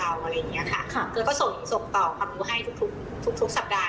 แล้วก็ส่งความรู้ให้ให้ทุกสัปดาห์